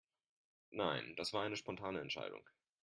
Nein, das war eine spontane Entscheidung.